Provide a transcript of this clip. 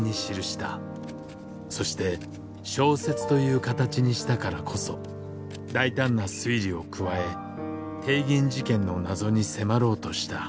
そして小説という形にしたからこそ大胆な推理を加え帝銀事件の謎に迫ろうとした。